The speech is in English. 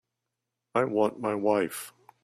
I want my wife.